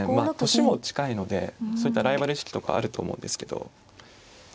年も近いのでそういったライバル意識とかあると思うんですけど。